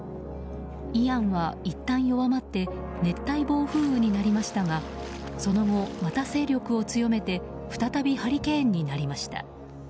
イアンはいったん弱まって熱帯暴風雨になりましたがその後また勢力を強めて再びハリケーンになりました。